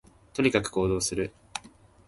とにかく行動する